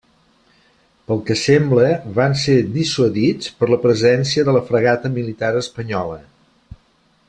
Pel que sembla, van ser dissuadits per la presència de la fragata militar espanyola.